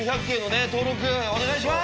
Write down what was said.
お願いします！